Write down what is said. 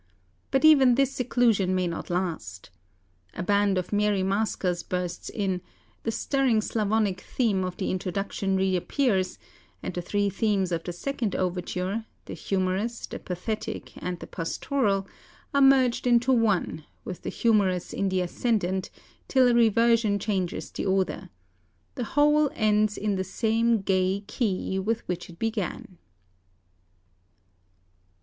But even this seclusion may not last. A band of merry maskers bursts in, the stirring Slavonic theme of the introduction reappears, and the three themes of the second overture, the humorous, the pathetic, and the pastoral, are merged into one, with the humorous in the ascendant, till a reversion changes the order. The whole ends in the same gay ... key with which it began."